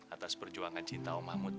atas perjuangan cinta om mahmud